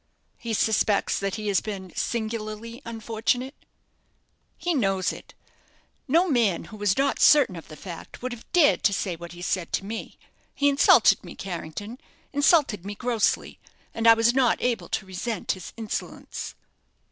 "He suspects that he has been singularly unfortunate?" "He knows it. No man who was not certain of the fact would have dared to say what he said to me. He insulted me, Carrington insulted me grossly; and I was not able to resent his insolence."